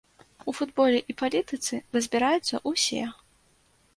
У футболе і палітыцы разбіраюцца ўсе.